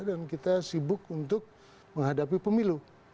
dan kita sibuk untuk menghadapi pemilu